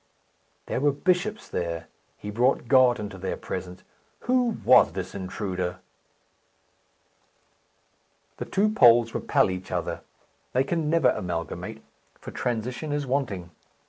There were bishops there. He brought God into their presence. Who was this intruder? The two poles repel each other. They can never amalgamate, for transition is wanting.